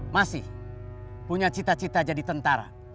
masih punya cita cita jadi tentara